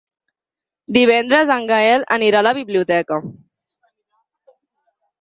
Divendres en Gaël anirà a la biblioteca.